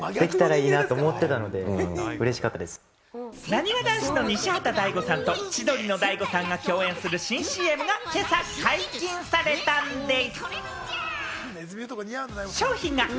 なにわ男子の西畑大吾さんと千鳥の大悟さんが共演する新ＣＭが今朝解禁されたんでぃす。